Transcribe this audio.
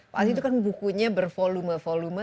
pasti itu kan bukunya bervolume volume